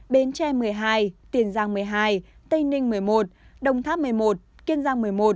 bến tre một mươi hai tiền giang một mươi hai tây ninh một mươi một đồng tháp một mươi một kiên giang một mươi một